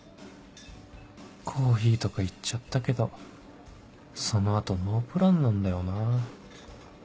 コーヒーとか言っちゃったけどその後ノープランなんだよなぁ